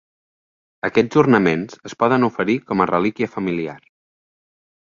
Aquests ornaments es poden oferir com a relíquia familiar.